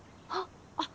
あっ。